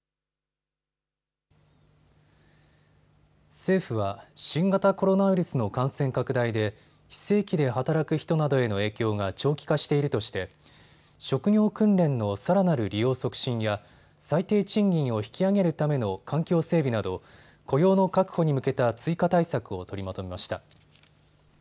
政府は新型コロナウイルスの感染拡大で非正規で働く人などへの影響が長期化しているとして職業訓練のさらなる利用促進や最低賃金を引き上げるための環境整備など雇用の確保に向けた追加対策を取りまとめました。